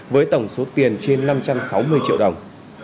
với tổng số tiền trên năm trăm sáu mươi triệu đồng